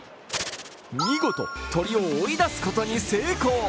見事、鳥を追い出すことに成功。